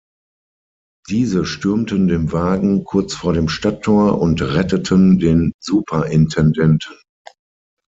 Diese stürmten den Wagen kurz vor dem Stadttor und retteten den Superintendenten.